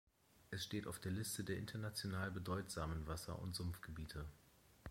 Es steht auf der Liste der international bedeutsamen Wasser- und Sumpfgebiete.